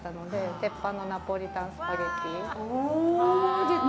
鉄板のナポリタンスパゲティ。